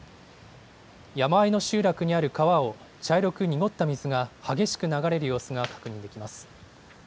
山あいの集落にある川を茶色く濁った水が激しく流れる様子が確認できます。